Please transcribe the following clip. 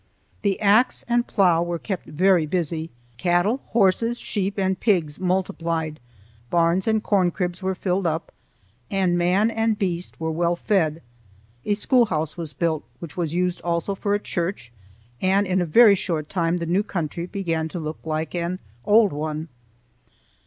The axe and plough were kept very busy; cattle, horses, sheep, and pigs multiplied; barns and corn cribs were filled up, and man and beast were well fed; a schoolhouse was built, which was used also for a church; and in a very short time the new country began to look like an old one.